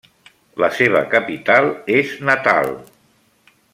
La seva capital és Natal.